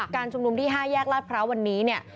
ชุมนุมที่๕แยกลาดพร้าววันนี้เนี่ย